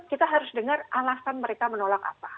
kita harus dengar alasan mereka menolak apa